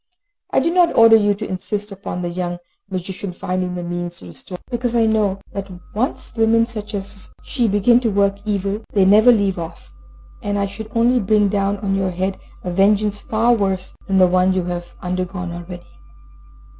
I do not order you to insist upon the young magician finding the means to restore your wife to her human shape, because I know that when once women such as she begin to work evil they never leave off, and I should only bring down on your head a vengeance far worse than the one you have undergone already."